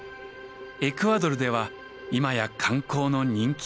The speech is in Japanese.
エクアドルでは今や観光の人気者です。